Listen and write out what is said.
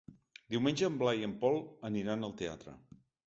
Diumenge en Blai i en Pol aniran al teatre.